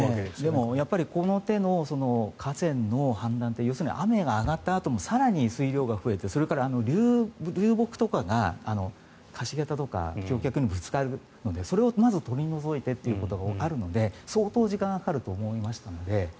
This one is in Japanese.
でもやっぱりこの手の河川の氾濫って要するに雨が上がったあとも更に水量が増えてそれから流木とかが橋桁とか橋脚にぶつかるのでそれをまず取り除いてということがあるので相当時間がかかると思いました。